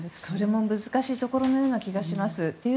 それも難しいところのような気がします。